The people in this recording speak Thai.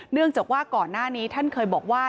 เนื่องจากว่าก่อนหน้านี้ท่านเคยบอกว่า